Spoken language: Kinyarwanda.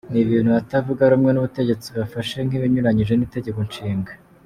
Ni ibintu abatavuga rumwe n’ubutegetsi bafashe nk’ibinyuranyije n’Itegeko Nshinga.